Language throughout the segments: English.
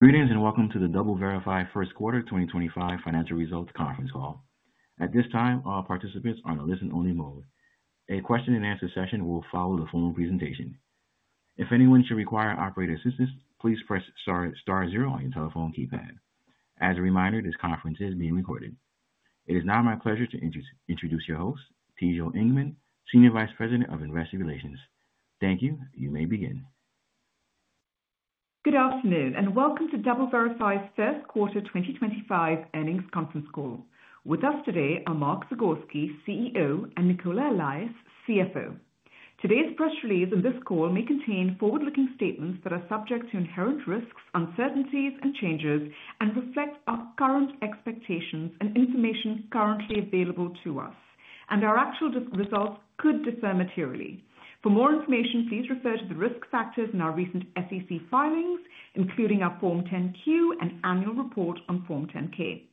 Greetings and welcome to the DoubleVerify's first quarter 2025 financial results conference call. At this time, all participants are in a listen-only mode. A question-and-answer session will follow the formal presentation. If anyone should require operator assistance, please press star zero on your telephone keypad. As a reminder, this conference is being recorded. It is now my pleasure to introduce your host, Tejal Engman, Senior Vice President of Investor Relations. Thank you, you may begin. Good afternoon and welcome to DoubleVerify's first quarter 2025 earnings conference call. With us today are Mark Zagorski, CEO, and Nicola Allais, CFO. Today's press release and this call may contain forward-looking statements that are subject to inherent risks, uncertainties, and changes, and reflect our current expectations and information currently available to us, and our actual results could differ materially. For more information, please refer to the risk factors in our recent SEC filings, including our Form 10-Q and annual report on Form 10-K.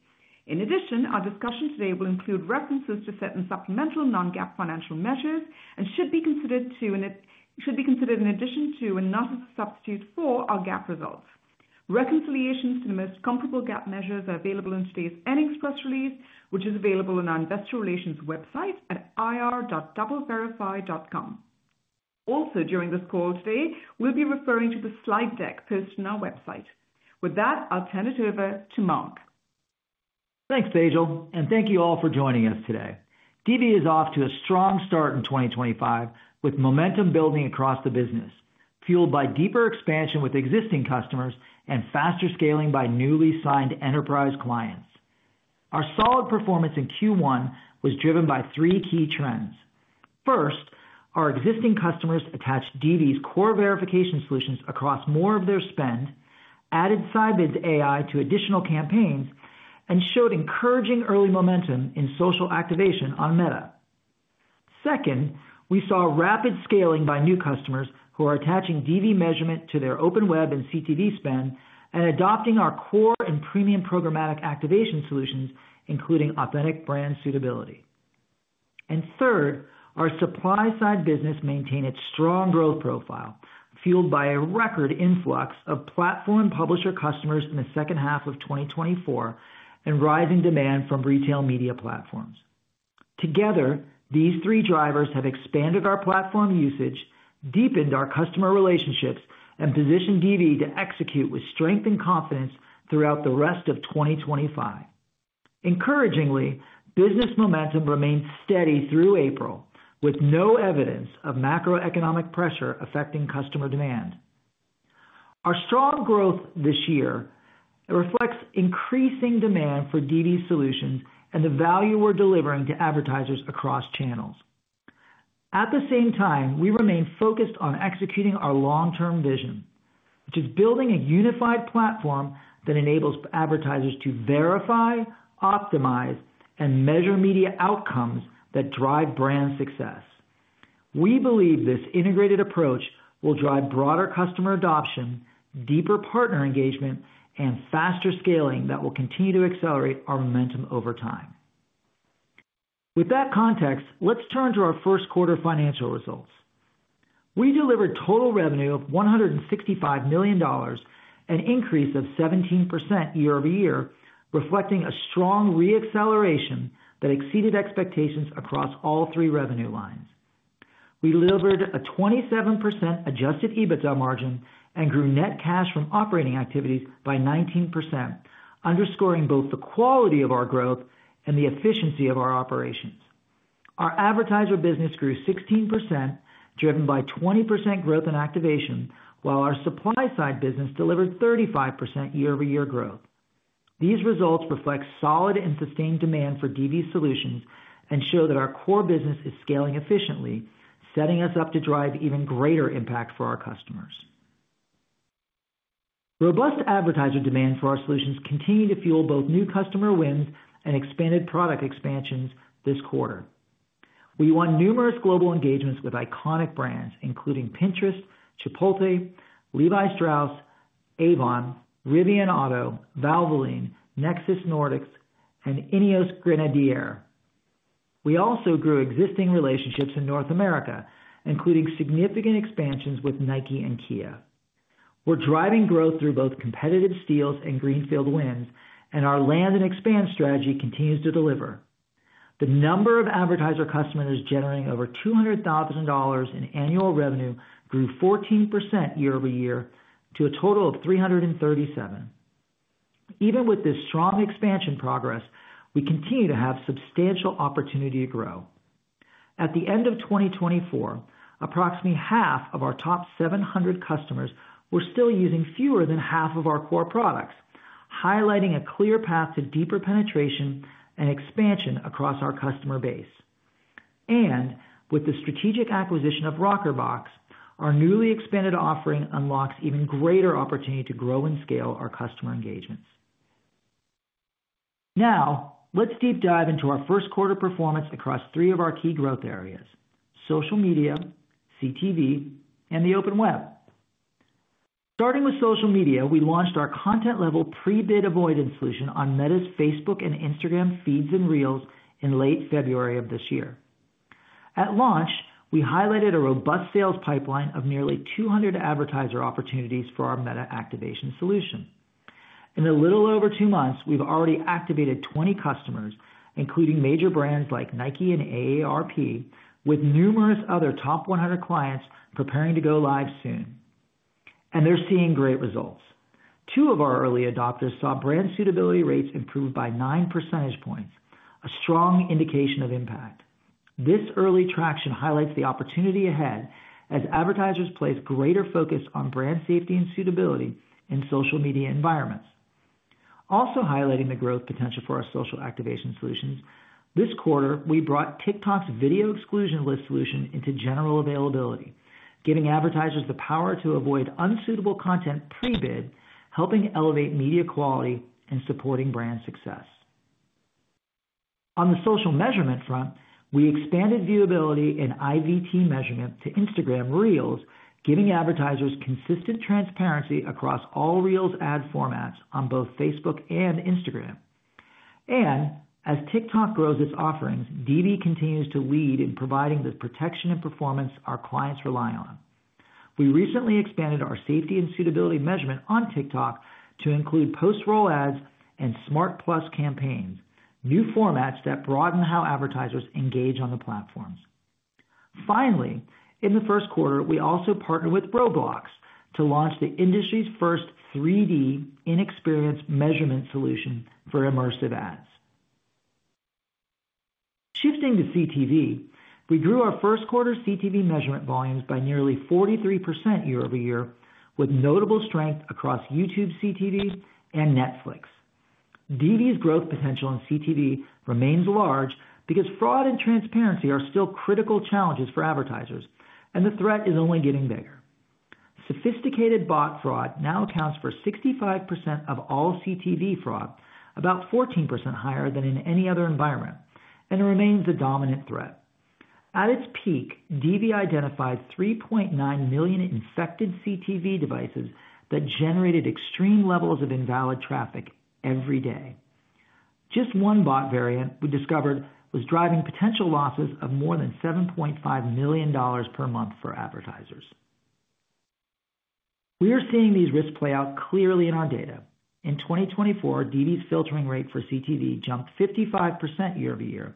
In addition, our discussion today will include references to certain supplemental non-GAAP financial measures and should be considered in addition to and not as a substitute for our GAAP results. Reconciliations to the most comparable GAAP measures are available in today's earnings press release, which is available on our investor relations website at ir.doubleverify.com. Also, during this call today, we will be referring to the slide deck posted on our website. With that, I will turn it over to Mark. Thanks, Tejal, and thank you all for joining us today. DV is off to a strong start in 2025 with momentum building across the business, fueled by deeper expansion with existing customers and faster scaling by newly signed enterprise clients. Our solid performance in Q1 was driven by three key trends. First, our existing customers attached DV's core verification solutions across more of their spend, added SideBID AI to additional campaigns, and showed encouraging early momentum in social activation on Meta. Second, we saw rapid scaling by new customers who are attaching DV measurement to their open web and CTV spend and adopting our core and premium programmatic activation solutions, including Authentic Brand Suitability. Third, our supply-side business maintained its strong growth profile, fueled by a record influx of platform publisher customers in the second half of 2024 and rising demand from retail media platforms. Together, these three drivers have expanded our platform usage, deepened our customer relationships, and positioned DV to execute with strength and confidence throughout the rest of 2025. Encouragingly, business momentum remained steady through April, with no evidence of macroeconomic pressure affecting customer demand. Our strong growth this year reflects increasing demand for DV solutions and the value we're delivering to advertisers across channels. At the same time, we remain focused on executing our long-term vision, which is building a unified platform that enables advertisers to verify, optimize, and measure media outcomes that drive brand success. We believe this integrated approach will drive broader customer adoption, deeper partner engagement, and faster scaling that will continue to accelerate our momentum over time. With that context, let's turn to our first quarter financial results. We delivered total revenue of $165 million and an increase of 17% year-over-year, reflecting a strong re-acceleration that exceeded expectations across all three revenue lines. We delivered a 27% Adjusted EBITDA margin and grew net cash from operating activities by 19%, underscoring both the quality of our growth and the efficiency of our operations. Our advertiser business grew 16%, driven by 20% growth in activation, while our supply-side business delivered 35% year-over-year growth. These results reflect solid and sustained demand for DV solutions and show that our core business is scaling efficiently, setting us up to drive even greater impact for our customers. Robust advertiser demand for our solutions continued to fuel both new customer wins and expanded product expansions this quarter. We won numerous global engagements with iconic brands, including Pinterest, Chipotle, Levi Strauss, Avon, Rivian Auto, Valvoline, Nexus Nordics, and Ineos Grenadier. We also grew existing relationships in North America, including significant expansions with Nike and Kia. We're driving growth through both competitive steals and greenfield wins, and our land-and-expand strategy continues to deliver. The number of advertiser customers generating over $200,000 in annual revenue grew 14% year-over-year to a total of 337. Even with this strong expansion progress, we continue to have substantial opportunity to grow. At the end of 2024, approximately half of our top 700 customers were still using fewer than half of our core products, highlighting a clear path to deeper penetration and expansion across our customer base. With the strategic acquisition of Rockerbox, our newly expanded offering unlocks even greater opportunity to grow and scale our customer engagements. Now, let's deep dive into our first quarter performance across three of our key growth areas: social media, CTV, and the open web. Starting with social media, we launched our content-level pre-bid avoidance solution on Meta's Facebook and Instagram feeds and reels in late February of this year. At launch, we highlighted a robust sales pipeline of nearly 200 advertiser opportunities for our Meta activation solution. In a little over two months, we've already activated 20 customers, including major brands like Nike and AARP, with numerous other top 100 clients preparing to go live soon. They are seeing great results. Two of our early adopters saw brand suitability rates improve by 9 percentage points, a strong indication of impact. This early traction highlights the opportunity ahead as advertisers place greater focus on brand safety and suitability in social media environments. Also highlighting the growth potential for our social activation solutions, this quarter, we brought TikTok's video exclusion list solution into general availability, giving advertisers the power to avoid unsuitable content pre-bid, helping elevate media quality and supporting brand success. On the social measurement front, we expanded viewability and IVT measurement to Instagram Reels, giving advertisers consistent transparency across all Reels ad formats on both Facebook and Instagram. As TikTok grows its offerings, DV continues to lead in providing the protection and performance our clients rely on. We recently expanded our safety and suitability measurement on TikTok to include post-roll ads and Smart+ campaigns, new formats that broaden how advertisers engage on the platforms. Finally, in the first quarter, we also partnered with Roblox to launch the industry's first 3D in-experience measurement solution for immersive ads. Shifting to CTV, we grew our first quarter CTV measurement volumes by nearly 43% year-over-year, with notable strength across YouTube CTV and Netflix. DV's growth potential in CTV remains large because fraud and transparency are still critical challenges for advertisers, and the threat is only getting bigger. Sophisticated bot fraud now accounts for 65% of all CTV fraud, about 14% higher than in any other environment, and remains the dominant threat. At its peak, DV identified 3.9 million infected CTV devices that generated extreme levels of invalid traffic every day. Just one bot variant we discovered was driving potential losses of more than $7.5 million per month for advertisers. We are seeing these risks play out clearly in our data. In 2024, DV's filtering rate for CTV jumped 55% year-over-year,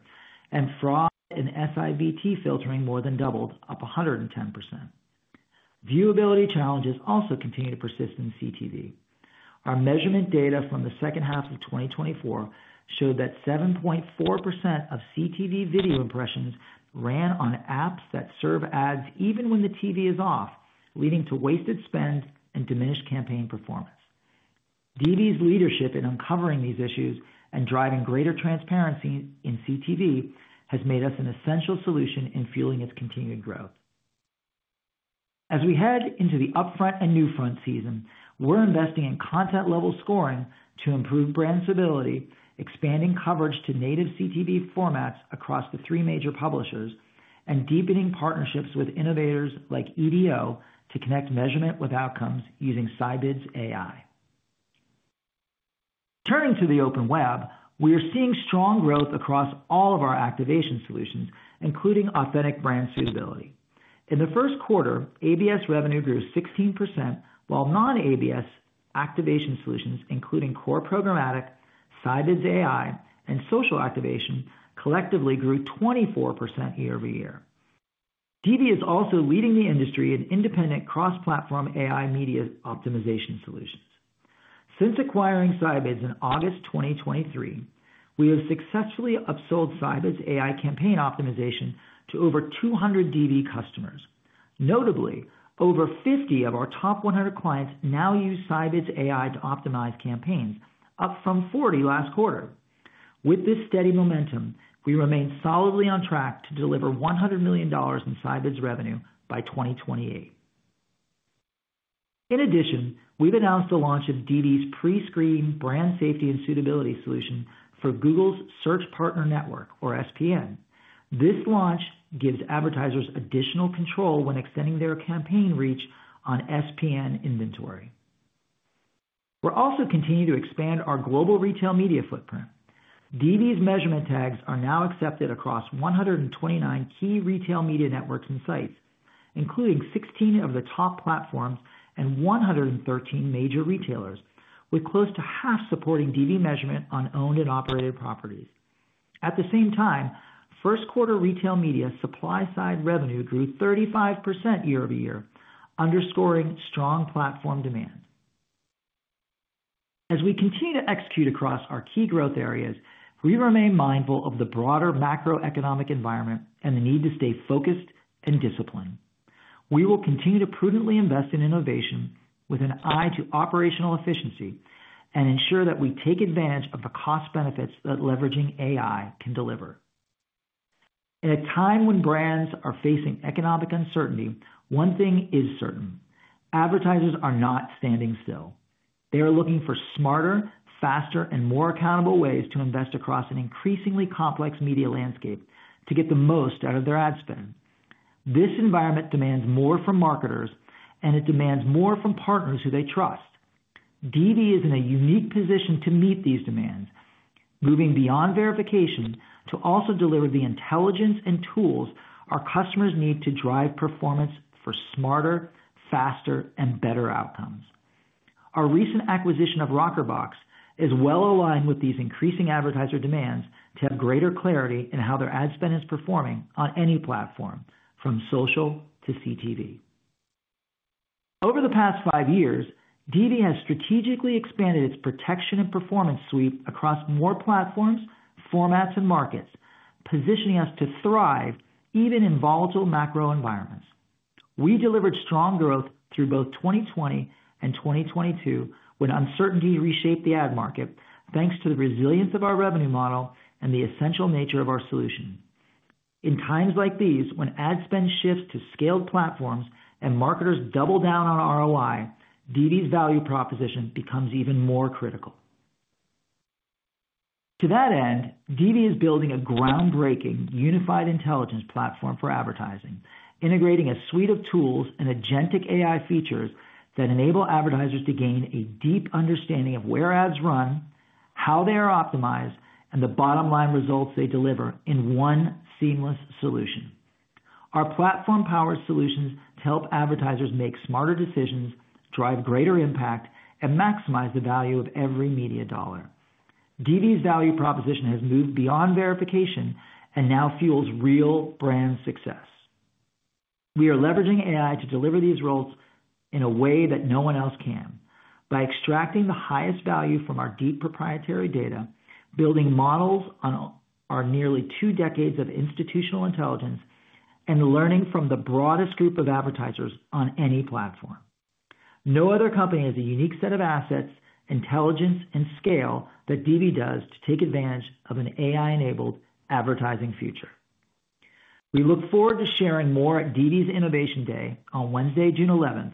and fraud in SIVT filtering more than doubled, up 110%. Viewability challenges also continue to persist in CTV. Our measurement data from the second half of 2024 showed that 7.4% of CTV video impressions ran on apps that serve ads even when the TV is off, leading to wasted spend and diminished campaign performance. DV's leadership in uncovering these issues and driving greater transparency in CTV has made us an essential solution in fueling its continued growth. As we head into the upfront and newfront season, we are investing in content-level scoring to improve brand suitability, expanding coverage to native CTV formats across the three major publishers, and deepening partnerships with innovators like EDO to connect measurement with outcomes using SideBID AI. Turning to the open web, we are seeing strong growth across all of our activation solutions, including Authentic Brand Suitability. In the first quarter, ABS revenue grew 16%, while non-ABS activation solutions, including core programmatic, SideBID AI, and social activation, collectively grew 24% year-over-year. DV is also leading the industry in independent cross-platform AI media optimization solutions. Since acquiring SideBID in August 2023, we have successfully upsold SideBID AI campaign optimization to over 200 DV customers. Notably, over 50 of our top 100 clients now use SideBID AI to optimize campaigns, up from 40 last quarter. With this steady momentum, we remain solidly on track to deliver $100 million in SideBID revenue by 2028. In addition, we've announced the launch of DV's Pre-Screen Brand Safety and Suitability solution for Google's Search Partner Network, or SPN. This launch gives advertisers additional control when extending their campaign reach on SPN inventory. We're also continuing to expand our global retail media footprint. DV's measurement tags are now accepted across 129 key retail media networks and sites, including 16 of the top platforms and 113 major retailers, with close to half supporting DV measurement on owned and operated properties. At the same time, first quarter retail media supply-side revenue grew 35% year-over-year, underscoring strong platform demand. As we continue to execute across our key growth areas, we remain mindful of the broader macroeconomic environment and the need to stay focused and disciplined. We will continue to prudently invest in innovation with an eye to operational efficiency and ensure that we take advantage of the cost benefits that leveraging AI can deliver. In a time when brands are facing economic uncertainty, one thing is certain: advertisers are not standing still. They are looking for smarter, faster, and more accountable ways to invest across an increasingly complex media landscape to get the most out of their ad spend. This environment demands more from marketers, and it demands more from partners who they trust. DV is in a unique position to meet these demands, moving beyond verification to also deliver the intelligence and tools our customers need to drive performance for smarter, faster, and better outcomes. Our recent acquisition of Rockerbox is well aligned with these increasing advertiser demands to have greater clarity in how their ad spend is performing on any platform, from social to CTV. Over the past five years, DV has strategically expanded its protection and performance suite across more platforms, formats, and markets, positioning us to thrive even in volatile macro environments. We delivered strong growth through both 2020 and 2022 when uncertainty reshaped the ad market, thanks to the resilience of our revenue model and the essential nature of our solution. In times like these, when ad spend shifts to scaled platforms and marketers double down on ROI, DV's value proposition becomes even more critical. To that end, DV is building a groundbreaking unified intelligence platform for advertising, integrating a suite of tools and agentic AI features that enable advertisers to gain a deep understanding of where ads run, how they are optimized, and the bottom-line results they deliver in one seamless solution. Our platform powers solutions to help advertisers make smarter decisions, drive greater impact, and maximize the value of every media dollar. DV's value proposition has moved beyond verification and now fuels real brand success. We are leveraging AI to deliver these results in a way that no one else can, by extracting the highest value from our deep proprietary data, building models on our nearly two decades of institutional intelligence, and learning from the broadest group of advertisers on any platform. No other company has a unique set of assets, intelligence, and scale that DV does to take advantage of an AI-enabled advertising future. We look forward to sharing more at DV's Innovation Day on Wednesday, June 11th,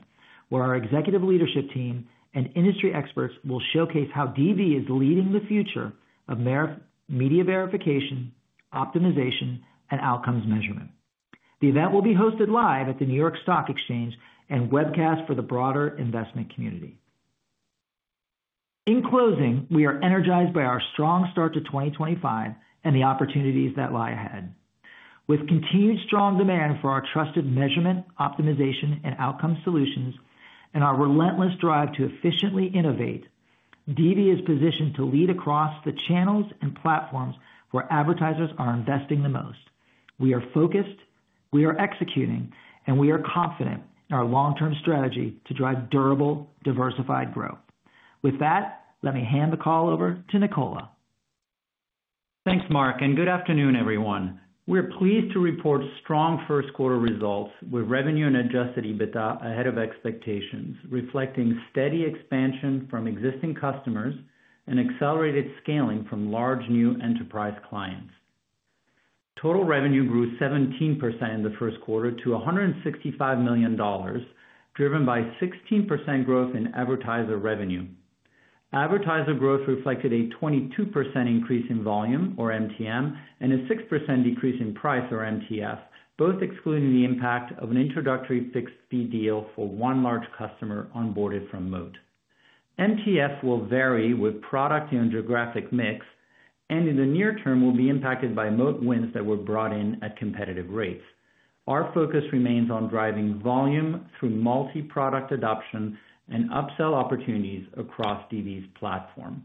where our executive leadership team and industry experts will showcase how DV is leading the future of media verification, optimization, and outcomes measurement. The event will be hosted live at the New York Stock Exchange and webcast for the broader investment community. In closing, we are energized by our strong start to 2025 and the opportunities that lie ahead. With continued strong demand for our trusted measurement, optimization, and outcome solutions, and our relentless drive to efficiently innovate, DV is positioned to lead across the channels and platforms where advertisers are investing the most. We are focused, we are executing, and we are confident in our long-term strategy to drive durable, diversified growth. With that, let me hand the call over to Nicola. Thanks, Mark, and good afternoon, everyone. We're pleased to report strong first quarter results with revenue and Adjusted EBITDA ahead of expectations, reflecting steady expansion from existing customers and accelerated scaling from large new enterprise clients. Total revenue grew 17% in the first quarter to $165 million, driven by 16% growth in advertiser revenue. Advertiser growth reflected a 22% increase in volume, or MTV, and a 6% decrease in price, or MTF, both excluding the impact of an introductory fixed-fee deal for one large customer onboarded from Moat. MTF will vary with product and geographic mix, and in the near term, will be impacted by Moat wins that were brought in at competitive rates. Our focus remains on driving volume through multi-product adoption and upsell opportunities across DV's platform.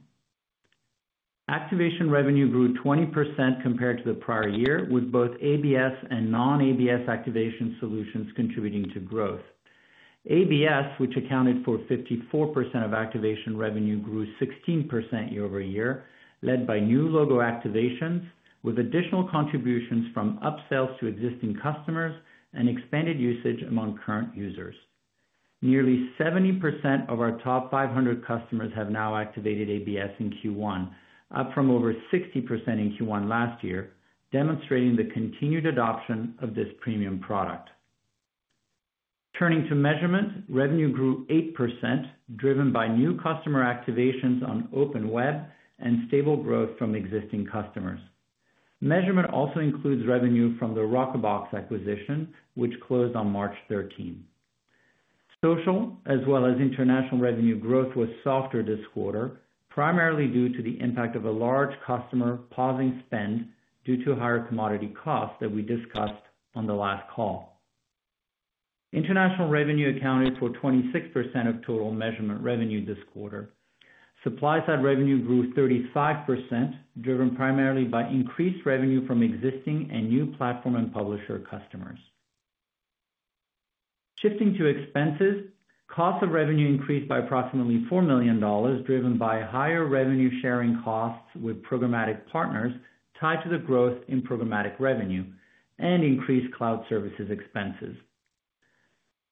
Activation revenue grew 20% compared to the prior year, with both ABS and non-ABS activation solutions contributing to growth. ABS, which accounted for 54% of activation revenue, grew 16% year-over-year, led by new logo activations, with additional contributions from upsells to existing customers and expanded usage among current users. Nearly 70% of our top 500 customers have now activated ABS in Q1, up from over 60% in Q1 last year, demonstrating the continued adoption of this premium product. Turning to measurement, revenue grew 8%, driven by new customer activations on open web and stable growth from existing customers. Measurement also includes revenue from the Rockerbox acquisition, which closed on March 13th. Social, as well as international revenue, growth was softer this quarter, primarily due to the impact of a large customer pausing spend due to higher commodity costs that we discussed on the last call. International revenue accounted for 26% of total measurement revenue this quarter. Supply-side revenue grew 35%, driven primarily by increased revenue from existing and new platform and publisher customers. Shifting to expenses, costs of revenue increased by approximately $4 million, driven by higher revenue-sharing costs with programmatic partners tied to the growth in programmatic revenue and increased cloud services expenses.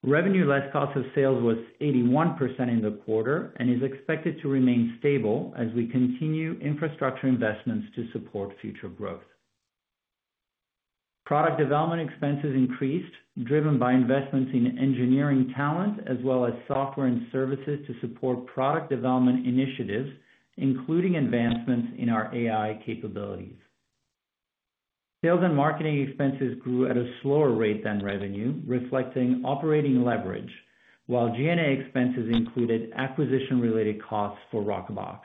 Revenue less cost of sales was 81% in the quarter and is expected to remain stable as we continue infrastructure investments to support future growth. Product development expenses increased, driven by investments in engineering talent as well as software and services to support product development initiatives, including advancements in our AI capabilities. Sales and marketing expenses grew at a slower rate than revenue, reflecting operating leverage, while G&A expenses included acquisition-related costs for Rockerbox.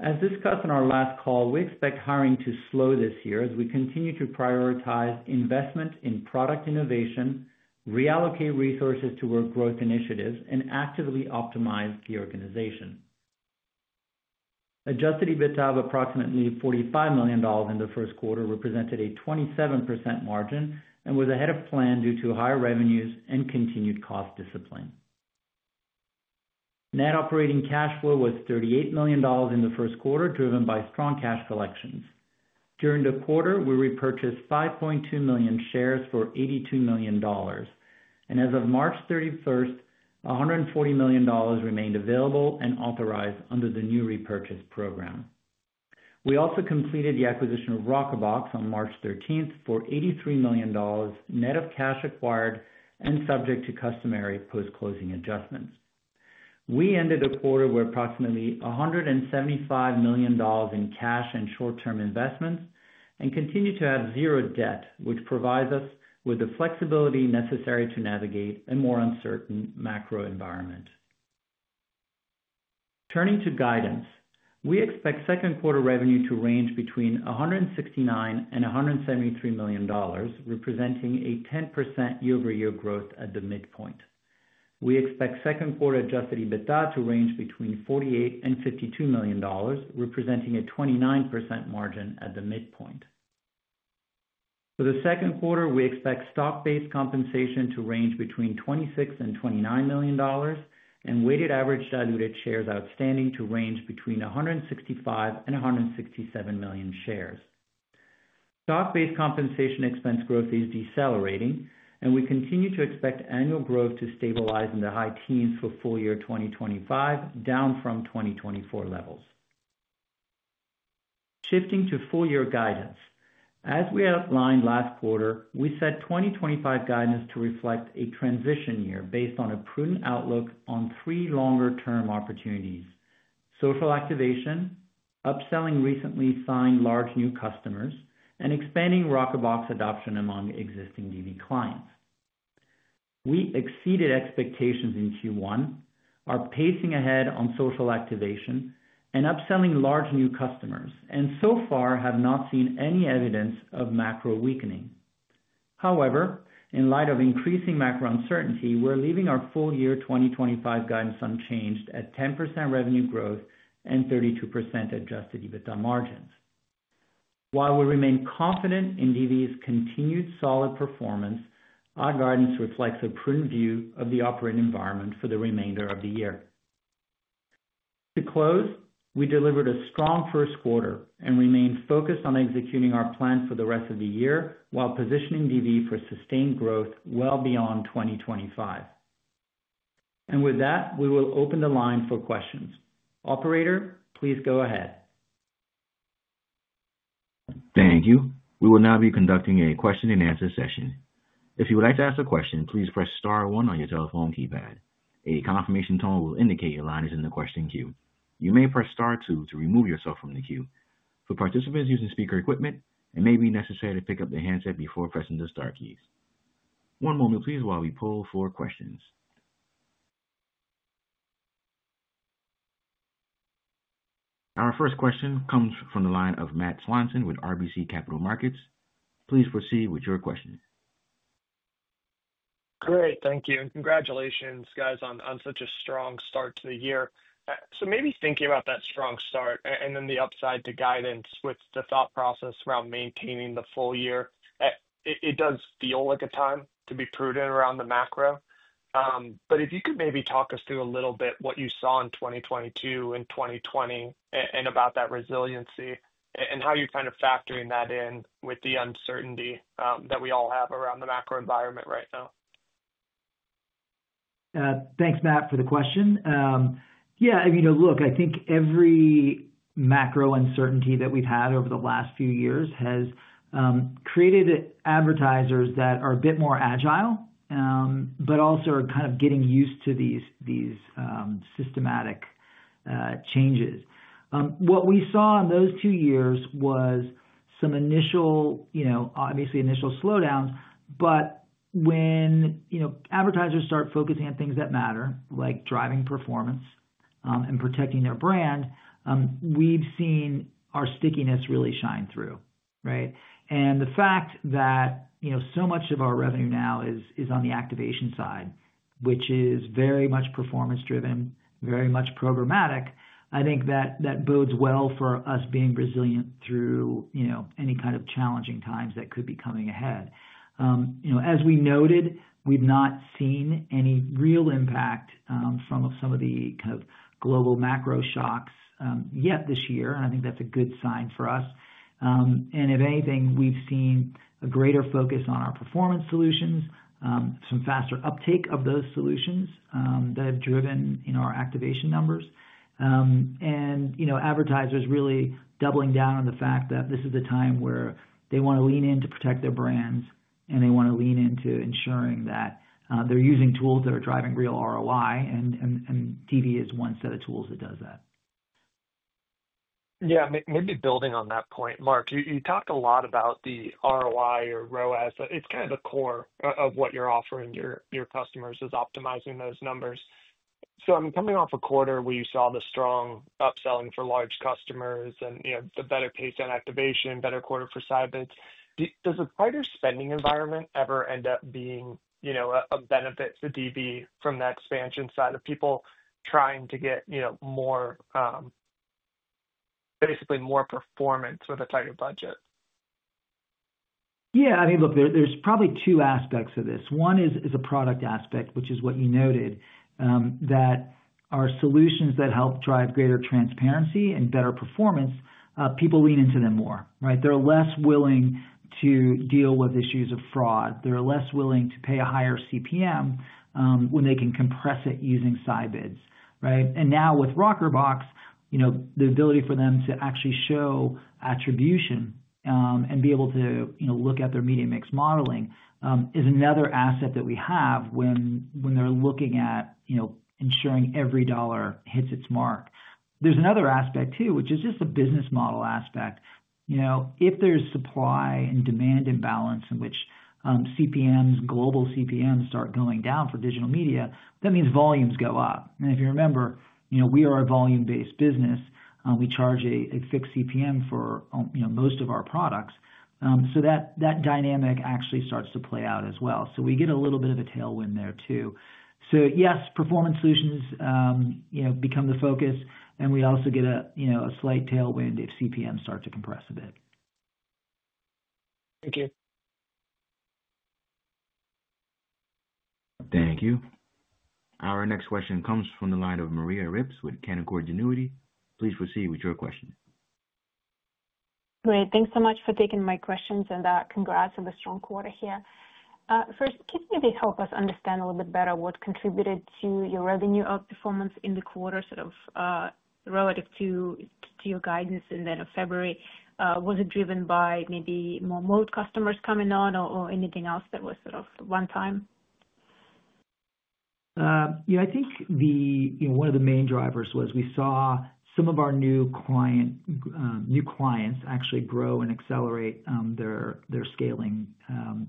As discussed in our last call, we expect hiring to slow this year as we continue to prioritize investment in product innovation, reallocate resources toward growth initiatives, and actively optimize the organization. Adjusted EBITDA of approximately $45 million in the first quarter represented a 27% margin and was ahead of plan due to higher revenues and continued cost discipline. Net operating cash flow was $38 million in the first quarter, driven by strong cash collections. During the quarter, we repurchased 5.2 million shares for $82 million, and as of March 31st, $140 million remained available and authorized under the new repurchase program. We also completed the acquisition of Rockerbox on March 13th for $83 million, net of cash acquired and subject to customary post-closing adjustments. We ended the quarter with approximately $175 million in cash and short-term investments and continue to have zero debt, which provides us with the flexibility necessary to navigate a more uncertain macro environment. Turning to guidance, we expect second quarter revenue to range between $169 million-$173 million, representing a 10% year-over-year growth at the midpoint. We expect second quarter Adjusted EBITDA to range between $48 million and $52 million, representing a 29% margin at the midpoint. For the second quarter, we expect stock-based compensation to range between $26 million and $29 million, and weighted average diluted shares outstanding to range between 165 million and 167 million shares. Stock-based compensation expense growth is decelerating, and we continue to expect annual growth to stabilize in the high teens for full year 2025, down from 2024 levels. Shifting to full year guidance, as we outlined last quarter, we set 2025 guidance to reflect a transition year based on a prudent outlook on three longer-term opportunities: social activation, upselling recently signed large new customers, and expanding Rockerbox adoption among existing DV clients. We exceeded expectations in Q1, are pacing ahead on social activation, and upselling large new customers, and so far have not seen any evidence of macro weakening. However, in light of increasing macro uncertainty, we're leaving our full year 2025 guidance unchanged at 10% revenue growth and 32% Adjusted EBITDA margins. While we remain confident in DV's continued solid performance, our guidance reflects a prudent view of the operating environment for the remainder of the year. To close, we delivered a strong first quarter and remained focused on executing our plan for the rest of the year while positioning DV for sustained growth well beyond 2025. With that, we will open the line for questions. Operator, please go ahead. Thank you. We will now be conducting a question-and-answer session. If you would like to ask a question, please press star one on your telephone keypad. A confirmation tone will indicate your line is in the question queue. You may press star two to remove yourself from the queue. For participants using speaker equipment, it may be necessary to pick up the handset before pressing the star keys. One moment, please, while we pull four questions. Our first question comes from the line of Matt Swanson with RBC Capital Markets. Please proceed with your question. Great. Thank you. And congratulations, guys, on such a strong start to the year. Maybe thinking about that strong start and then the upside to guidance with the thought process around maintaining the full year, it does feel like a time to be prudent around the macro. If you could maybe talk us through a little bit what you saw in 2022 and 2020 and about that resiliency and how you're kind of factoring that in with the uncertainty that we all have around the macro environment right now. Thanks, Matt, for the question. Yeah. I mean, look, I think every macro uncertainty that we've had over the last few years has created advertisers that are a bit more agile, but also are kind of getting used to these systematic changes. What we saw in those two years was some initial, obviously initial slowdowns. When advertisers start focusing on things that matter, like driving performance and protecting their brand, we've seen our stickiness really shine through, right? The fact that so much of our revenue now is on the activation side, which is very much performance-driven, very much programmatic, I think that bodes well for us being resilient through any kind of challenging times that could be coming ahead. As we noted, we've not seen any real impact from some of the kind of global macro shocks yet this year, and I think that's a good sign for us. If anything, we've seen a greater focus on our performance solutions, some faster uptake of those solutions that have driven our activation numbers, and advertisers really doubling down on the fact that this is a time where they want to lean in to protect their brands, and they want to lean into ensuring that they're using tools that are driving real ROI, and TV is one set of tools that does that. Yeah. Maybe building on that point, Mark, you talked a lot about the ROI or ROAS, but it's kind of the core of what you're offering your customers is optimizing those numbers. I'm coming off a quarter where you saw the strong upselling for large customers and the better pace on activation, better quarter for SideBID. Does the tighter spending environment ever end up being a benefit to DV from the expansion side of people trying to get more, basically more performance with a tighter budget? Yeah. I mean, look, there's probably two aspects of this. One is a product aspect, which is what you noted, that our solutions that help drive greater transparency and better performance, people lean into them more, right? They're less willing to deal with issues of fraud. They're less willing to pay a higher CPM when they can compress it using SideBID, right? And now with Rockerbox, the ability for them to actually show attribution and be able to look at their media mix modeling is another asset that we have when they're looking at ensuring every dollar hits its mark. There's another aspect too, which is just the business model aspect. If there is supply and demand imbalance in which CPMs, global CPMs start going down for digital media, that means volumes go up. If you remember, we are a volume-based business. We charge a fixed CPM for most of our products. That dynamic actually starts to play out as well. We get a little bit of a tailwind there too. Yes, performance solutions become the focus, and we also get a slight tailwind if CPMs start to compress a bit. Thank you. Thank you. Our next question comes from the line of Maria Ripps with Canaccord Genuity. Please proceed with your question. Great. Thanks so much for taking my questions, and congrats on the strong quarter here. First, can you maybe help us understand a little bit better what contributed to your revenue outperformance in the quarter sort of relative to your guidance in the end of February? Was it driven by maybe more Moat customers coming on or anything else that was sort of one-time? Yeah. I think one of the main drivers was we saw some of our new clients actually grow and accelerate their scaling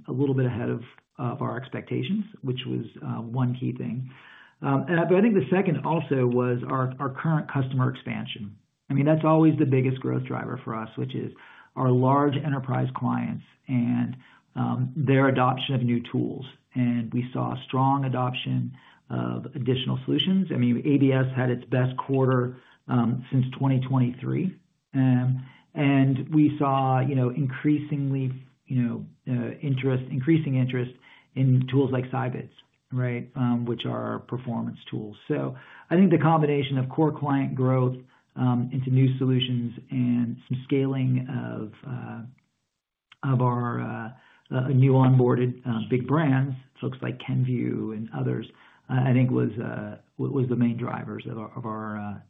a little bit ahead of our expectations, which was one key thing. I think the second also was our current customer expansion. I mean, that's always the biggest growth driver for us, which is our large enterprise clients and their adoption of new tools. We saw a strong adoption of additional solutions. I mean, ABS had its best quarter since 2023, and we saw increasing interest in tools like SideBID, right, which are performance tools. I think the combination of core client growth into new solutions and some scaling of our new onboarded big brands, folks like Kenvue and others, I think was the main drivers of our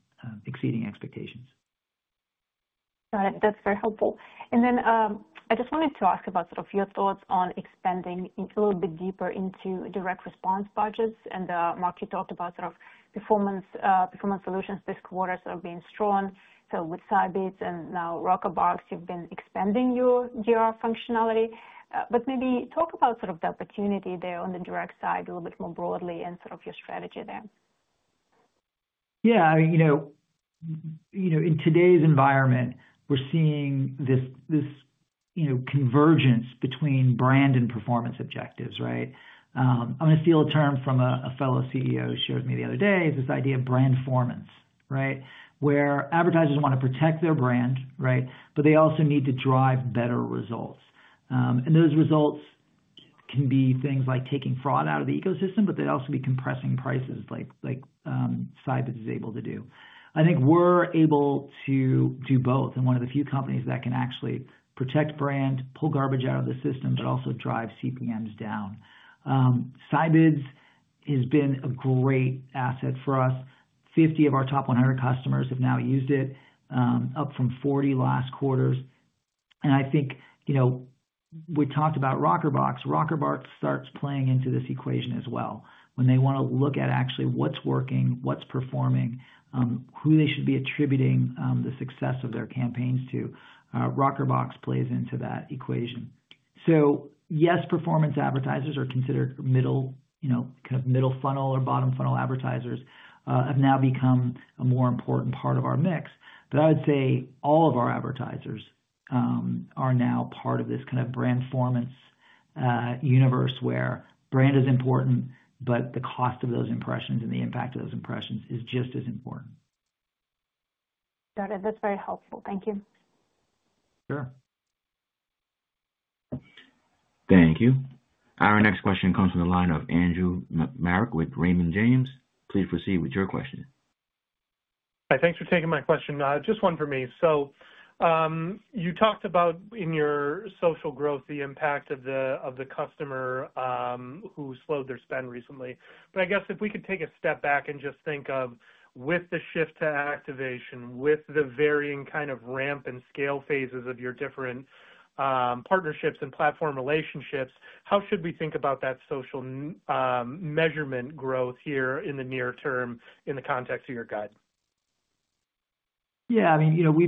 exceeding expectations. Got it. That's very helpful. I just wanted to ask about sort of your thoughts on expanding a little bit deeper into direct response budgets. Mark, you talked about sort of performance solutions this quarter sort of being strong. With SideBID and now Rockerbox, you've been expanding your DR functionality. Maybe talk about sort of the opportunity there on the direct side a little bit more broadly and your strategy there. Yeah. In today's environment, we're seeing this convergence between brand and performance objectives, right? I'm going to steal a term from a fellow CEO who shared with me the other day, this idea of brandformance, right, where advertisers want to protect their brand, right, but they also need to drive better results. And those results can be things like taking fraud out of the ecosystem, but they also be compressing prices like SideBID is able to do. I think we're able to do both. And one of the few companies that can actually protect brand, pull garbage out of the system, but also drive CPMs down. SideBID has been a great asset for us. Fifty of our top 100 customers have now used it, up from 40 last quarter. And I think we talked about Rockerbox. Rockerbox starts playing into this equation as well. When they want to look at actually what's working, what's performing, who they should be attributing the success of their campaigns to, Rockerbox plays into that equation. Yes, performance advertisers are considered kind of middle funnel or bottom funnel advertisers have now become a more important part of our mix. I would say all of our advertisers are now part of this kind of brandformance universe where brand is important, but the cost of those impressions and the impact of those impressions is just as important. Got it. That's very helpful. Thank you. Sure. Thank you. Our next question comes from the line of Andrew Marok with Raymond James. Please proceed with your question. Hi. Thanks for taking my question. Just one for me. You talked about in your social growth, the impact of the customer who slowed their spend recently. I guess if we could take a step back and just think of with the shift to activation, with the varying kind of ramp and scale phases of your different partnerships and platform relationships, how should we think about that social measurement growth here in the near term in the context of your guide? Yeah. I mean, we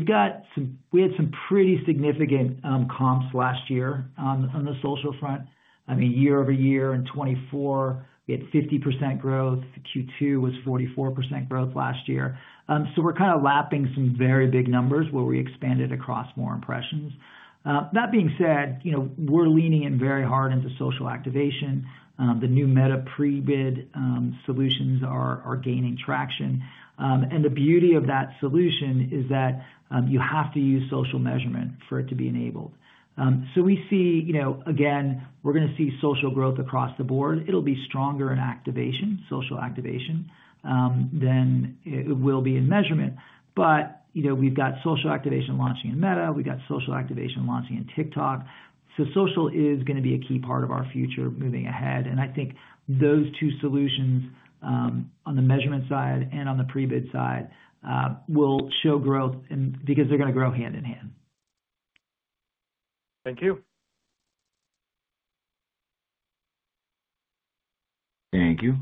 had some pretty significant comps last year on the social front. I mean, year-over-year in 2024, we had 50% growth. Q2 was 44% growth last year. We're kind of lapping some very big numbers where we expanded across more impressions. That being said, we're leaning in very hard into social activation. The new Meta Pre-Bid solutions are gaining traction. The beauty of that solution is that you have to use social measurement for it to be enabled. We see, again, we're going to see social growth across the board. It'll be stronger in activation, social activation, than it will be in measurement. We've got social activation launching in Meta. We've got social activation launching in TikTok. Social is going to be a key part of our future moving ahead. I think those two solutions on the measurement side and on the Pre-Bid side will show growth because they're going to grow hand in hand. Thank you. Thank you.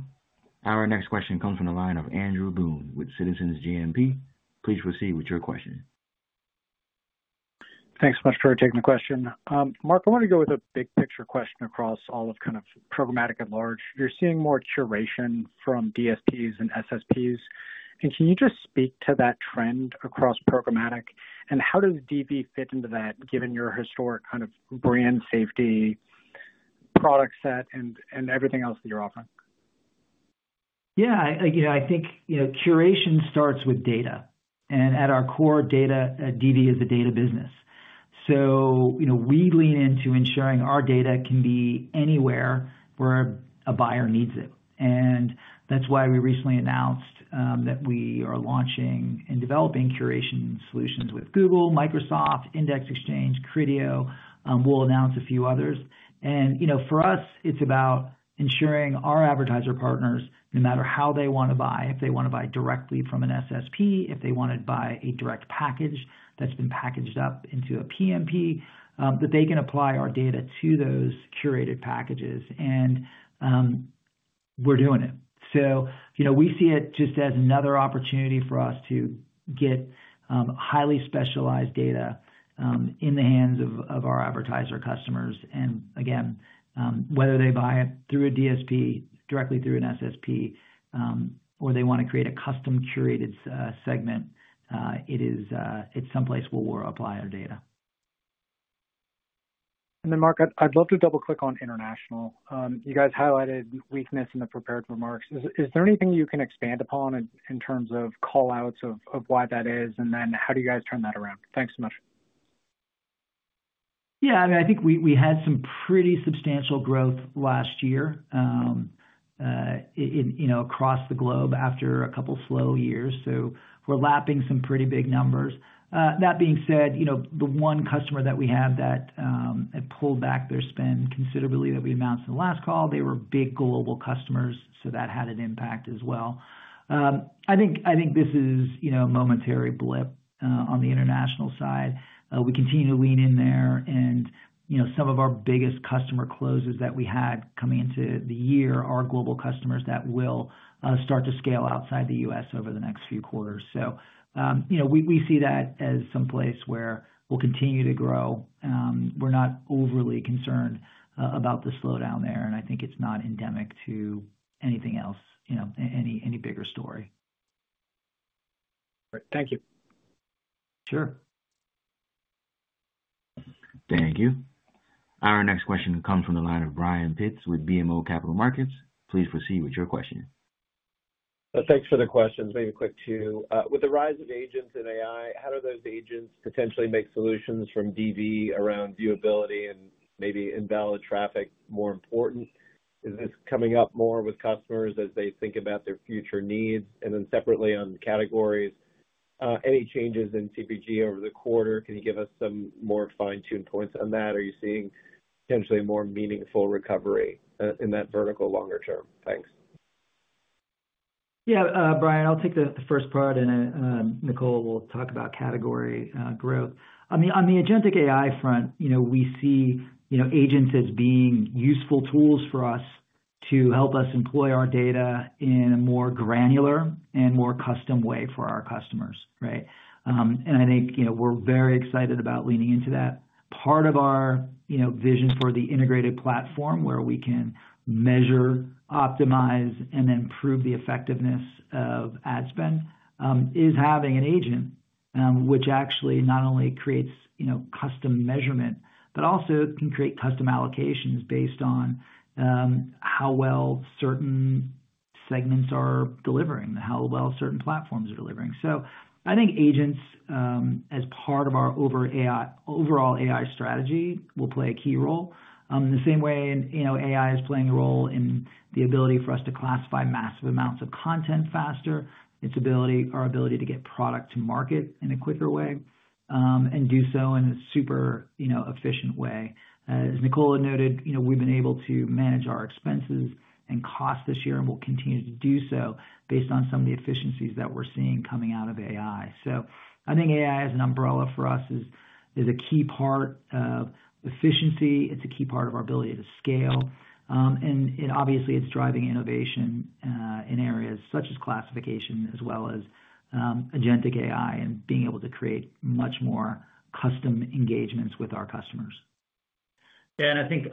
Our next question comes from the line of Andrew Boone with Citizens GMP. Please proceed with your question. Thanks so much for taking the question. Mark, I want to go with a big picture question across all of kind of programmatic at large. You're seeing more curation from DSPs and SSPs. Can you just speak to that trend across programmatic? How does DV fit into that given your historic kind of brand safety product set and everything else that you're offering? Yeah. I think curation starts with data. At our core, DV is a data business. We lean into ensuring our data can be anywhere where a buyer needs it. That is why we recently announced that we are launching and developing curation solutions with Google, Microsoft, Index Exchange, Criteo. We will announce a few others. For us, it is about ensuring our advertiser partners, no matter how they want to buy, if they want to buy directly from an SSP, if they want to buy a direct package that has been packaged up into a PMP, that they can apply our data to those curated packages. We are doing it. We see it just as another opportunity for us to get highly specialized data in the hands of our advertiser customers. Again, whether they buy it through a DSP, directly through an SSP, or they want to create a custom curated segment, it's someplace where we'll apply our data. Mark, I'd love to double-click on international. You guys highlighted weakness in the prepared remarks. Is there anything you can expand upon in terms of callouts of why that is, and then how do you guys turn that around? Thanks so much. Yeah. I mean, I think we had some pretty substantial growth last year across the globe after a couple of slow years. We're lapping some pretty big numbers. That being said, the one customer that we had that had pulled back their spend considerably that we announced in the last call, they were big global customers, so that had an impact as well. I think this is a momentary blip on the international side. We continue to lean in there. And some of our biggest customer closes that we had coming into the year are global customers that will start to scale outside the U.S. over the next few quarters. So we see that as someplace where we'll continue to grow. We're not overly concerned about the slowdown there, and I think it's not endemic to anything else, any bigger story. All right. Thank you. Sure. Thank you. Our next question comes from the line of Brian Pitz with BMO Capital Markets. Please proceed with your question. Thanks for the questions. Maybe quick two. With the rise of agents and AI, how do those agents potentially make solutions from DV around viewability and maybe invalid traffic more important? Is this coming up more with customers as they think about their future needs? Then separately on categories, any changes in CPG over the quarter? Can you give us some more fine-tuned points on that? Are you seeing potentially more meaningful recovery in that vertical longer term? Thanks. Yeah. Brian, I'll take the first part, and Nicola will talk about category growth. I mean, on the agentic AI front, we see agents as being useful tools for us to help us employ our data in a more granular and more custom way for our customers, right? I think we're very excited about leaning into that. Part of our vision for the integrated platform where we can measure, optimize, and then prove the effectiveness of ad spend is having an agent, which actually not only creates custom measurement, but also can create custom allocations based on how well certain segments are delivering, how well certain platforms are delivering. I think agents, as part of our overall AI strategy, will play a key role. In the same way, AI is playing a role in the ability for us to classify massive amounts of content faster, our ability to get product to market in a quicker way, and do so in a super efficient way. As Nicola noted, we've been able to manage our expenses and costs this year and will continue to do so based on some of the efficiencies that we're seeing coming out of AI. I think AI as an umbrella for us is a key part of efficiency. It's a key part of our ability to scale. Obviously, it's driving innovation in areas such as classification as well as agentic AI and being able to create much more custom engagements with our customers. Yeah. I think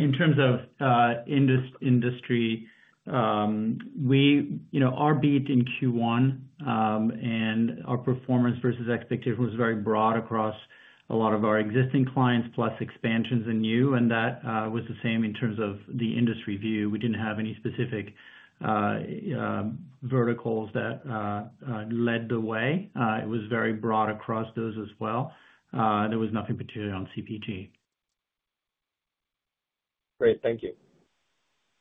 in terms of industry, we beat in Q1, and our performance versus expectation was very broad across a lot of our existing clients plus expansions and new. That was the same in terms of the industry view. We did not have any specific verticals that led the way. It was very broad across those as well. There was nothing particularly on CPG. Great. Thank you.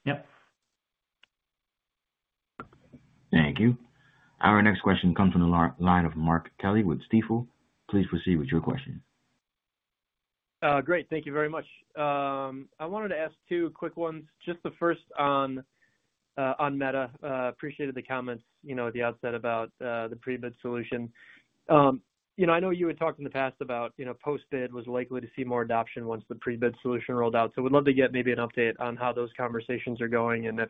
Yep. Thank you. Our next question comes from the line of Mark Kelley with Stifel. Please proceed with your question. Great. Thank you very much. I wanted to ask two quick ones. Just the first on Meta. Appreciated the comments at the outset about the Pre-Bid solution. I know you had talked in the past about post-bid was likely to see more adoption once the Pre-Bid solution rolled out. We'd love to get maybe an update on how those conversations are going and if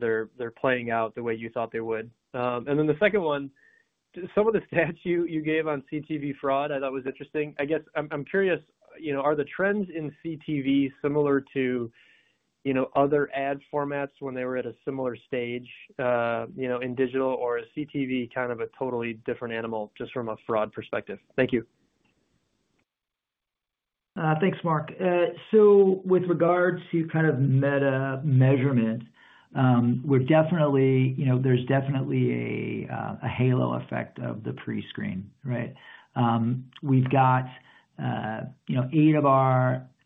they're playing out the way you thought they would. The second one, some of the stats you gave on CTV fraud, I thought was interesting. I guess I'm curious, are the trends in CTV similar to other ad formats when they were at a similar stage in digital or is CTV kind of a totally different animal just from a fraud perspective? Thank you. Thanks, Mark. With regard to kind of Meta measurement, there's definitely a halo effect of the pre-screen, right? We've got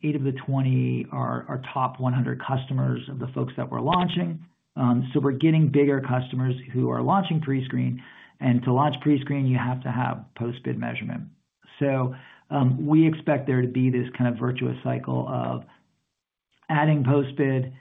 eight of the twenty are top 100 customers of the folks that we're launching. We're getting bigger customers who are launching pre-screen. To launch pre-screen, you have to have post-bid measurement. We expect there to be this kind of virtuous cycle of adding post-bid,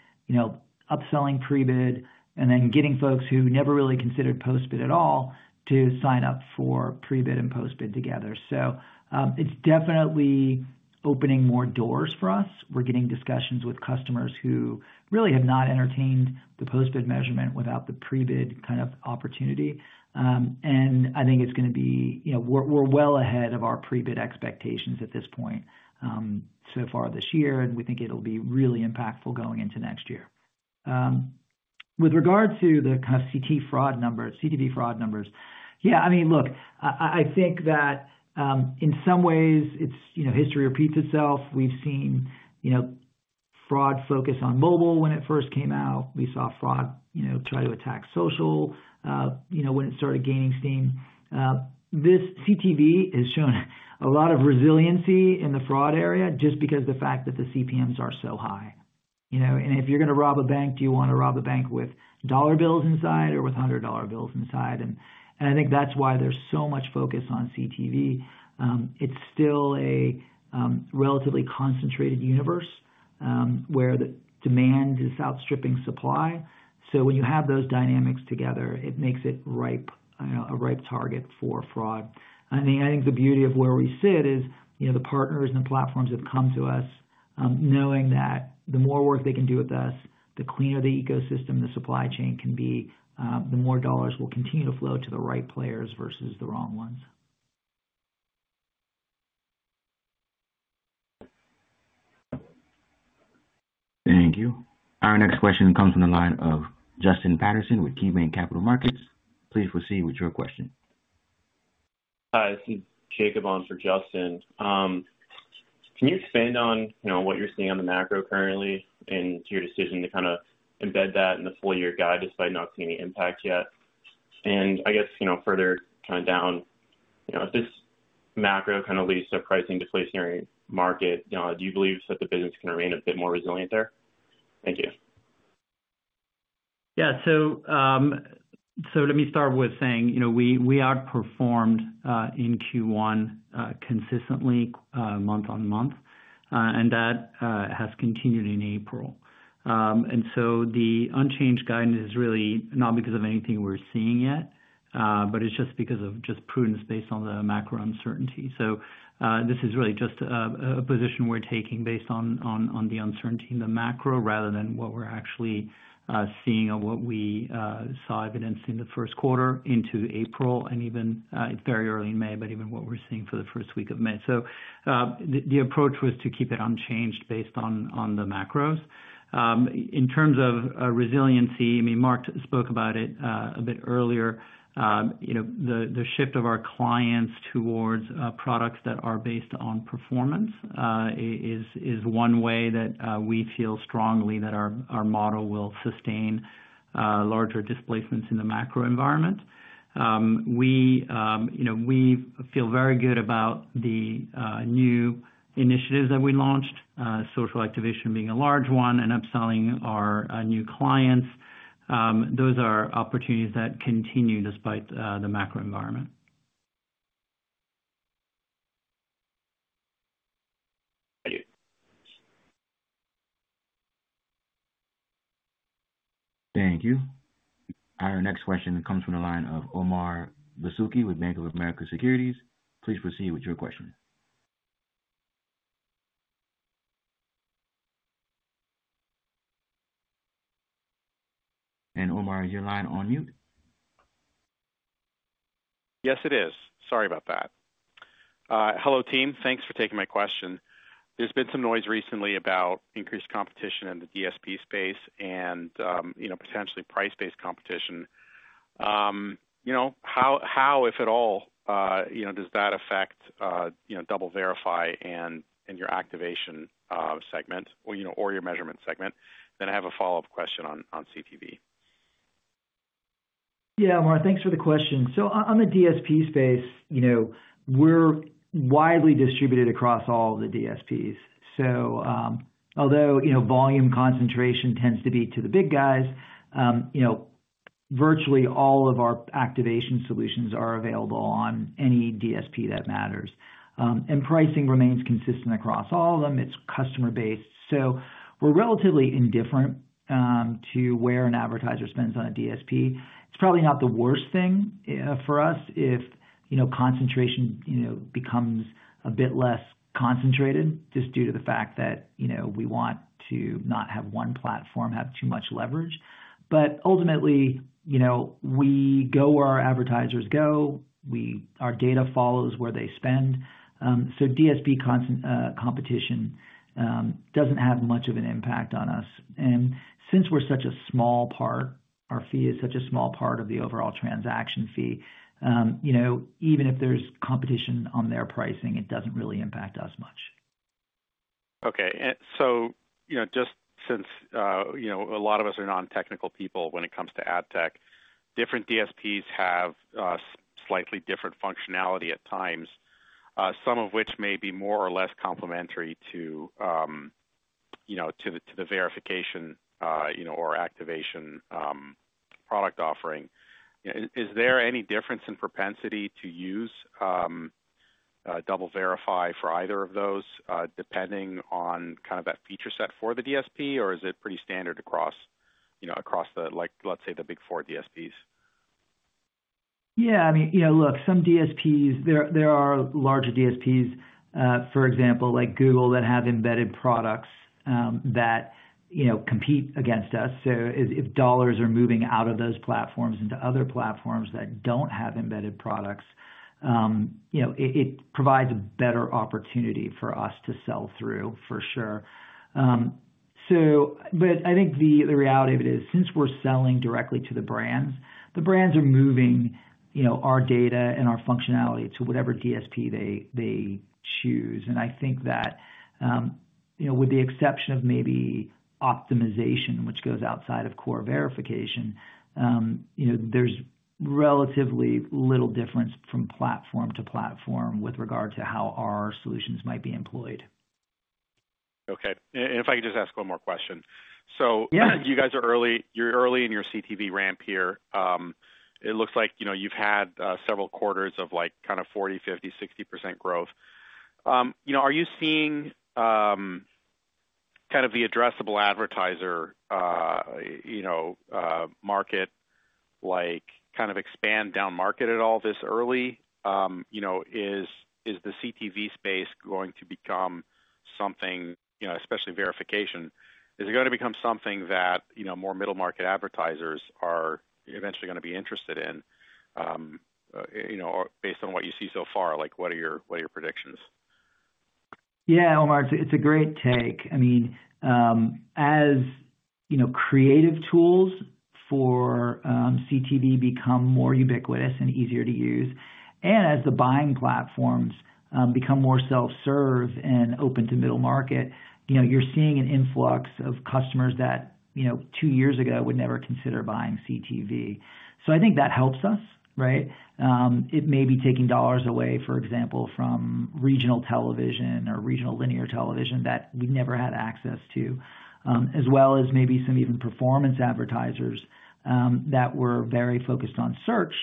upselling Pre-Bid, and then getting folks who never really considered post-bid at all to sign up for Pre-Bid and post-bid together. It is definitely opening more doors for us. We're getting discussions with customers who really have not entertained the post-bid measurement without the Pre-Bid kind of opportunity. I think we're well ahead of our Pre-Bid expectations at this point so far this year, and we think it'll be really impactful going into next year. With regard to the kind of CTV fraud numbers, yeah, I mean, look, I think that in some ways, history repeats itself. We've seen fraud focus on mobile when it first came out. We saw fraud try to attack social when it started gaining steam. This CTV has shown a lot of resiliency in the fraud area just because of the fact that the CPMs are so high. If you're going to rob a bank, do you want to rob the bank with dollar bills inside or with $100 bills inside? I think that's why there's so much focus on CTV. It's still a relatively concentrated universe where the demand is outstripping supply. When you have those dynamics together, it makes it a ripe target for fraud. I think the beauty of where we sit is the partners and the platforms have come to us knowing that the more work they can do with us, the cleaner the ecosystem, the supply chain can be, the more dollars will continue to flow to the right players versus the wrong ones. Thank you. Our next question comes from the line of Justin Patterson with KeyBank Capital Markets. Please proceed with your question. Hi. This is Jacob on for Justin. Can you expand on what you're seeing on the macro currently and your decision to kind of embed that in the full-year guide despite not seeing any impact yet? I guess further kind of down, if this macro kind of leads to a pricing deflationary market, do you believe that the business can remain a bit more resilient there? Thank you. Yeah. Let me start with saying we outperformed in Q1 consistently month on month, and that has continued in April. The unchanged guidance is really not because of anything we're seeing yet, but it's just because of prudence based on the macro uncertainty. This is really just a position we're taking based on the uncertainty in the macro rather than what we're actually seeing of what we saw evidence in the first quarter into April and even very early in May, but even what we're seeing for the first week of May. The approach was to keep it unchanged based on the macros. In terms of resiliency, I mean, Mark spoke about it a bit earlier. The shift of our clients towards products that are based on performance is one way that we feel strongly that our model will sustain larger displacements in the macro environment. We feel very good about the new initiatives that we launched, social activation being a large one, and upselling our new clients. Those are opportunities that continue despite the macro environment. Thank you. Thank you. Our next question comes from the line of Omar Siddiqui with Bank of America Securities. Please proceed with your question. Omar, is your line on mute? Yes, it is. Sorry about that. Hello, team. Thanks for taking my question. There's been some noise recently about increased competition in the DSP space and potentially price-based competition. How, if at all, does that affect DoubleVerify and your activation segment or your measurement segment? I have a follow-up question on CTV. Yeah, Omar, thanks for the question. On the DSP space, we're widely distributed across all the DSPs. Although volume concentration tends to be to the big guys, virtually all of our activation solutions are available on any DSP that matters. Pricing remains consistent across all of them. It's customer-based. We're relatively indifferent to where an advertiser spends on a DSP. It's probably not the worst thing for us if concentration becomes a bit less concentrated just due to the fact that we want to not have one platform have too much leverage. Ultimately, we go where our advertisers go. Our data follows where they spend. DSP competition doesn't have much of an impact on us. Since we are such a small part, our fee is such a small part of the overall transaction fee, even if there is competition on their pricing, it does not really impact us much. Okay. Just since a lot of us are non-technical people when it comes to ad tech, different DSPs have slightly different functionality at times, some of which may be more or less complementary to the verification or activation product offering. Is there any difference in propensity to use DoubleVerify for either of those depending on that feature set for the DSP, or is it pretty standard across, let's say, the Big Four DSPs? Yeah. I mean, look, some DSPs, there are larger DSPs, for example, like Google that have embedded products that compete against us. If dollars are moving out of those platforms into other platforms that do not have embedded products, it provides a better opportunity for us to sell through, for sure. I think the reality of it is since we are selling directly to the brands, the brands are moving our data and our functionality to whatever DSP they choose. I think that with the exception of maybe optimization, which goes outside of core verification, there is relatively little difference from platform to platform with regard to how our solutions might be employed. Okay. If I could just ask one more question. You guys are early. You are early in your CTV ramp here. It looks like you have had several quarters of kind of 40%, 50%, 60% growth. Are you seeing kind of the addressable advertiser market kind of expand down market at all this early? Is the CTV space going to become something, especially verification? Is it going to become something that more middle-market advertisers are eventually going to be interested in based on what you see so far? What are your predictions? Yeah, Omar, it's a great take. I mean, as creative tools for CTV become more ubiquitous and easier to use, and as the buying platforms become more self-serve and open to middle market, you're seeing an influx of customers that two years ago would never consider buying CTV. I think that helps us, right? It may be taking dollars away, for example, from regional television or regional linear television that we never had access to, as well as maybe some even performance advertisers that were very focused on search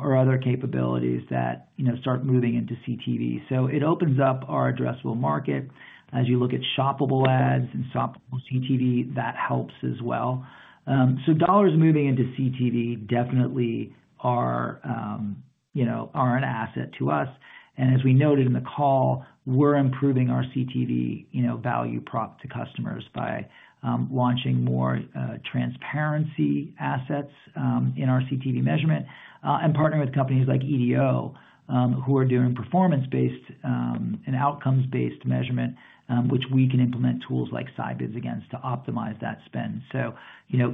or other capabilities that start moving into CTV. It opens up our addressable market. As you look at shoppable ads and shoppable CTV, that helps as well. Dollars moving into CTV definitely are an asset to us. As we noted in the call, we're improving our CTV value prop to customers by launching more transparency assets in our CTV measurement and partnering with companies like EDO who are doing performance-based and outcomes-based measurement, which we can implement tools like SideBIDs against to optimize that spend.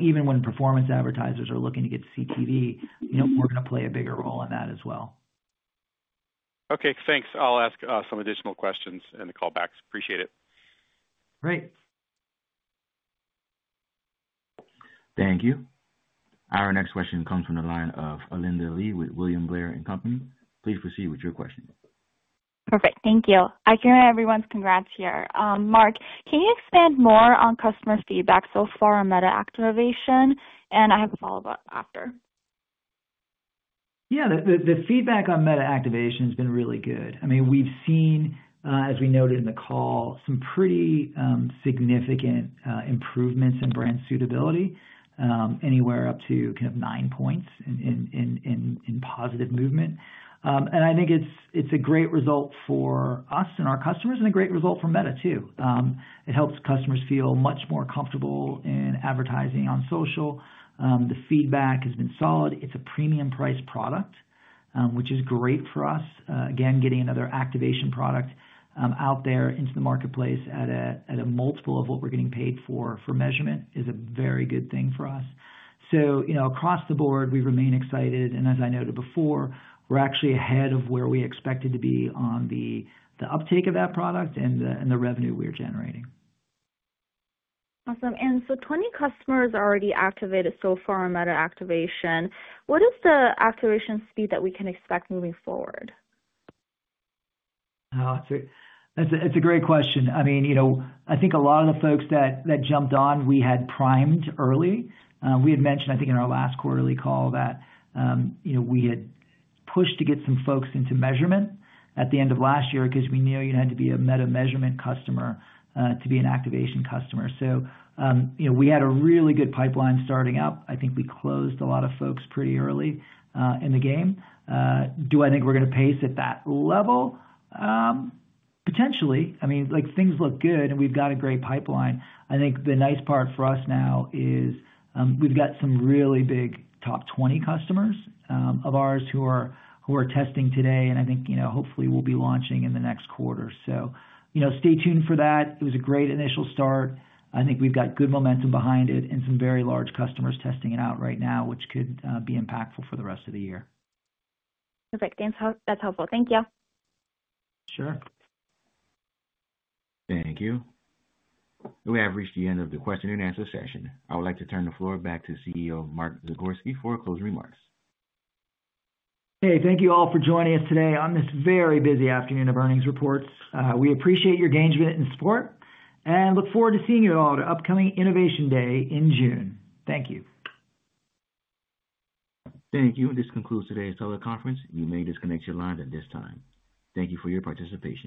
Even when performance advertisers are looking to get CTV, we're going to play a bigger role in that as well. Okay. Thanks. I'll ask some additional questions in the callbacks. Appreciate it. Great. Thank you. Our next question comes from the line of Alinda Li with William Blair and Company. Please proceed with your question. Perfect. Thank you. I can hear everyone's congrats here. Mark, can you expand more on customer feedback so far on Meta activation? I have a follow-up after. Yeah. The feedback on Meta activation has been really good. I mean, we've seen, as we noted in the call, some pretty significant improvements in brand suitability anywhere up to kind of 9 points in positive movement. I think it's a great result for us and our customers and a great result for Meta too. It helps customers feel much more comfortable in advertising on social. The feedback has been solid. It's a premium-priced product, which is great for us. Again, getting another activation product out there into the marketplace at a multiple of what we're getting paid for measurement is a very good thing for us. Across the board, we remain excited. As I noted before, we're actually ahead of where we expected to be on the uptake of that product and the revenue we're generating. Awesome. Twenty customers already activated so far on Meta activation. What is the activation speed that we can expect moving forward? That's a great question. I mean, I think a lot of the folks that jumped on, we had primed early. We had mentioned, I think, in our last quarterly call that we had pushed to get some folks into measurement at the end of last year because we knew you had to be a Meta measurement customer to be an activation customer. We had a really good pipeline starting up. I think we closed a lot of folks pretty early in the game. Do I think we're going to pace at that level? Potentially, I mean, things look good, and we've got a great pipeline. I think the nice part for us now is we've got some really big top 20 customers of ours who are testing today, and I think hopefully we'll be launching in the next quarter. Stay tuned for that. It was a great initial start. I think we've got good momentum behind it and some very large customers testing it out right now, which could be impactful for the rest of the year. Perfect. Thanks. That's helpful. Thank you. Sure. Thank you. We have reached the end of the question-and-answer session. I would like to turn the floor back to CEO Mark Zagorski for closing remarks. Hey, thank you all for joining us today on this very busy afternoon of earnings reports. We appreciate your engagement and support and look forward to seeing you all at upcoming Innovation Day in June. Thank you. This concludes today's teleconference. You may disconnect your line at this time. Thank you for your participation.